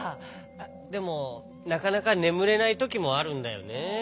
でもなかなかねむれないときもあるんだよね。